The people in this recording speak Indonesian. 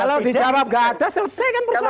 kalau dijawab enggak ada selesai kan persoalan